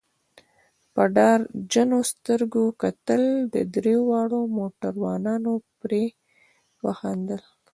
په ډار جنو سترګو کتل، دریو واړو موټروانانو پرې وخندل.